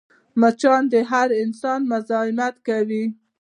مچان د هر انسان مزاحمت کوي